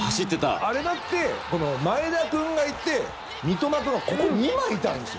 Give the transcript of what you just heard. あれだって、前田君がいて三笘君がここ２枚いたんですよ。